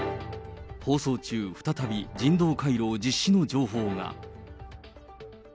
放送中再び、人道回廊実施の情報が。